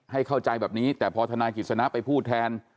ให้เข้าใจแบบนี้แต่พอธนายกฤษณะไปพูดแทน